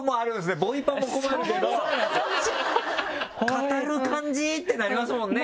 語る感じ？ってなりますもんね